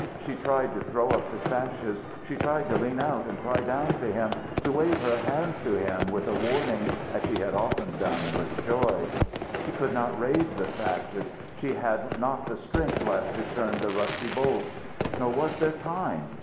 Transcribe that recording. She tried to throw up the sashes. She tried to lean out and cry down to him, to wave her hands to him with warning as she had often done with joy. She could not raise the sashes. She had not the strength left to turn the rusty bolts. Nor was there time.